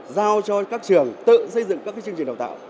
giao cho các trường tự xây dựng các chương trình đào tạo